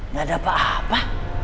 nggak dapet apa